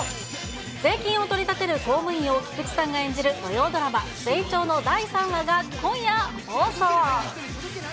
税金を取りたてる公務員を菊池さんが演じる、土曜ドラマ、ゼイチョーの第３話が今夜放送。